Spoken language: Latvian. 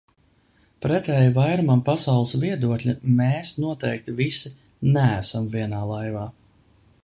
Pretēji vairumam pasaules viedokļa, mēs noteikti visi neesam vienā laivā.